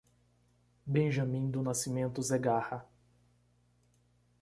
Benjamin do Nascimento Zegarra